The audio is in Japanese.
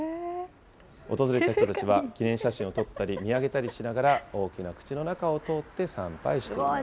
訪れた人たちは、記念写真を撮ったり見上げたりしながら、大きな口の中を通って参拝していました。